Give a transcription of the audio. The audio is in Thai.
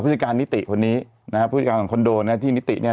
พฤศกาลนิติวันนี้พฤศกาลของคอนโดที่นิติ